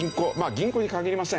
銀行に限りません。